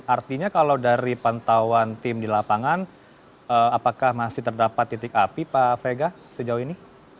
artinya kalau dari pantauan tim di lapangan apakah masih terdapat titik api pak frega sejauh ini